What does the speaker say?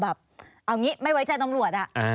แบบอย่างนี้ไม่ไว้ใจน้องรวษอะ